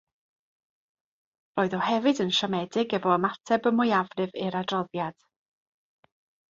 Roedd o hefyd yn siomedig efo ymateb y mwyafrif i'r adroddiad.